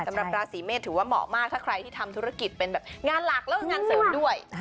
สำหรับราศีเมษถือว่าเหมาะมากถ้าใครที่ทำธุรกิจเป็นแบบงานหลักแล้วก็งานเสริมด้วย